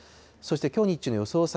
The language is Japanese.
そしてきょう日中の予想